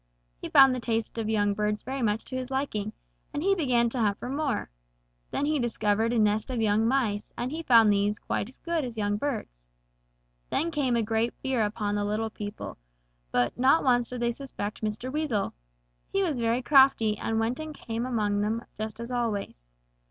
He found the taste of young birds very much to his liking, and he began to hunt for more. Then he discovered a nest of young mice, and he found these quite as good as young birds. Then came a great fear upon the littlest people, but not once did they suspect Mr. Weasel. He was very crafty and went and came among them just as always.